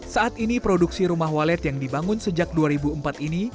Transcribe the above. saat ini produksi rumah walet yang dibangun sejak dua ribu empat ini